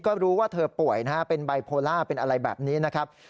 ก็รู้ว่าเธอป่วยนะฮะเป็นไบโพล่าเป็นอะไรแบบนี้นะครับ